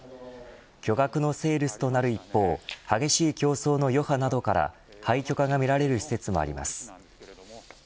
巨額のセールスとなる一方激しい競争の余波などから廃虚化が見られる施設もあります。